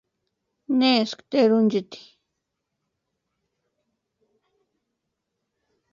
¿Nesïni tʼerunchiti?